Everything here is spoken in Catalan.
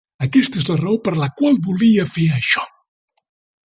Aquesta és la raó per la qual volia fer això.